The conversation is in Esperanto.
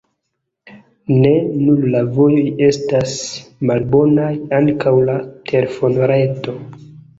Ne nur la vojoj estas malbonaj, ankaŭ la telefonreto.